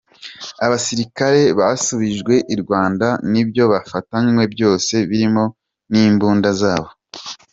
Abasirikare basubijwe i Rwanda n’ibyo bafatanywe byose birimo n’imbunda zabo.